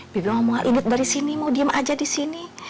bebi mau ngomong idut dari sini mau diem aja di sini